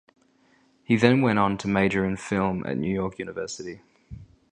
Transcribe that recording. He then went on to major in film at New York University.